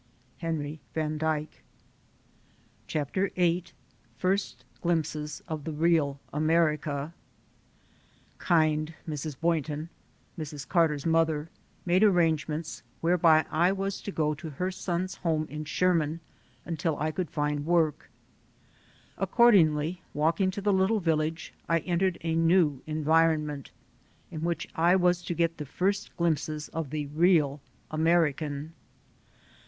Henry Van Dyke. CHAPTER VIII FIRST GLIMPSES OF THE REAL AMERICA KIND Mrs. Boynton (Mrs. Carter's mother) made arrangements whereby I was to go to her son's home in Sherman until I could find work. Accordingly, walking to the little village, I entered a new environment, in which I was to get the first glimpses of the real American.